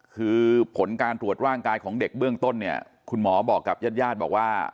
คือผลการตรวจร่างกายของเด็กเบื้องต้นเนี่ยคุณหมอบอกกับญาติญาติบอกว่า